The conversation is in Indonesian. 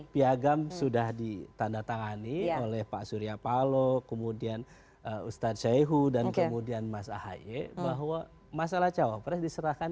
piagam sudah ditandatangani oleh pak surya palo kemudian ustadz syehu dan kemudian mas ahaye bahwa masalah cawapres diserahkan